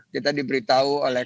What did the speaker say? kita diberitahu oleh